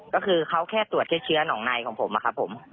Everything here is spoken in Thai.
ก็คือเขาแค่ตรวจแค่เชื้อหนองในของผมนะครับผม